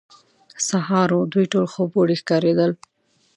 سهار وو، دوی ټول خوبوړي ښکارېدل.